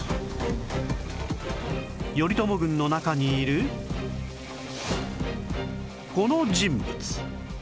頼朝軍の中にいるこの人物！